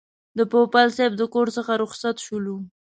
د پوپل صاحب د کور څخه رخصت شولو.